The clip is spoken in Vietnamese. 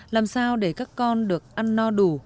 làm sao để các con được ăn no đủ